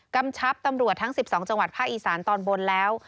กำชับตำรวจทั้ง๑๒จังหวัดภาคอีสานตอนบนแล้ว